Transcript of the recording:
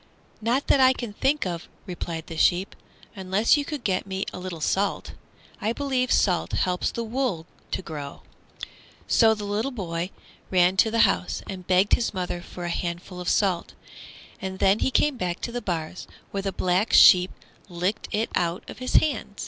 "Not that I think of," replied the sheep, "unless you could get me a little salt. I believe salt helps the wool to grow." So the boy ran to the house and begged his mother for a handful of salt, and then he came back to the bars, where the Black Sheep licked it out of his hand.